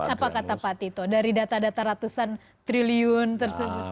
apa kata pak tito dari data data ratusan triliun tersebut